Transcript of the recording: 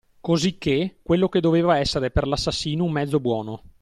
Cosicché quello che doveva essere per l'assassino un mezzo buono